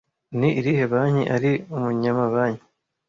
Ni irihe banki ari Umunyamabanki